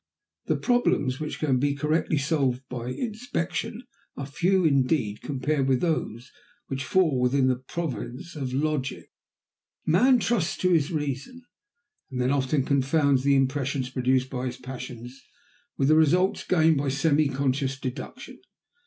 The problems which can be correctly solved by inspection are few indeed compared with those which fall within the province of logic. Man trusts to his reason, and then often confounds the impressions produced by his passions with the results gained by semi conscious deduction.